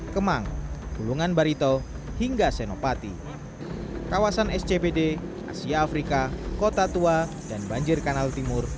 kemang bulungan barito hingga senopati kawasan scpd asia afrika kota tua dan banjir kanal timur